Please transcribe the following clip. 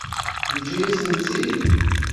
Yeǧǧa-yasent-tt-id?